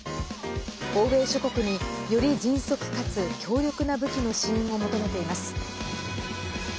欧米諸国に、より迅速かつ強力な武器の支援を求めています。